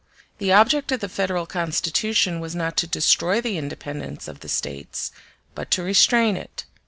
The object of the Federal Constitution was not to destroy the independence of the States, but to restrain it.